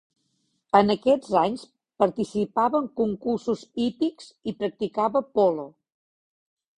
En aquests anys participava en concursos hípics i practicava polo.